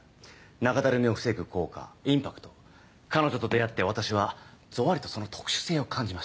中だるみを防ぐ効果インパクト彼女と出会って私はゾワリとその特殊性を感じました